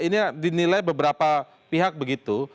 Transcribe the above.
ini dinilai beberapa pihak begitu